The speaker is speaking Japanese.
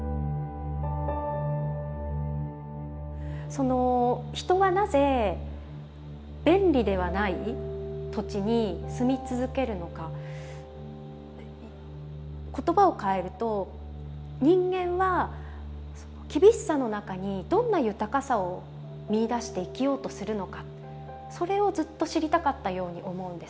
その人はなぜ便利ではない土地に住み続けるのか言葉をかえると人間は厳しさの中にどんな豊かさを見いだして生きようとするのかそれをずっと知りたかったように思うんです。